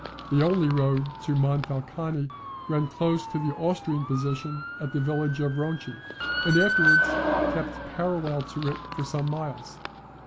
The only road to Monfalcone ran close to the Austrian position at the village of Ronchi, and afterwards kept parallel to it for some miles.